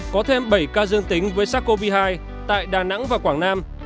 có thêm bảy ca dương tính với sars cov hai tại đà nẵng và quảng nam